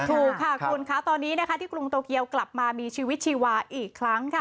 ถูกค่ะคุณคะตอนนี้นะคะที่กรุงโตเกียวกลับมามีชีวิตชีวาอีกครั้งค่ะ